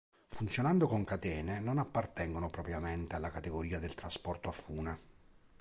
Funzionando con catene non appartengono propriamente alla categoria del trasporto a fune.